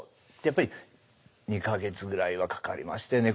やっぱり２か月ぐらいはかかりましたよね。